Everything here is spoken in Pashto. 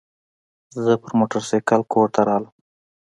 زه پر موترسایکل کور ته رالم.